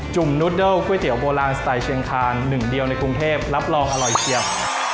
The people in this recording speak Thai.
ุ่มนูดเิลก๋วยเตี๋ยวโบราณสไตล์เชียงคานหนึ่งเดียวในกรุงเทพรับรองอร่อยเชียบ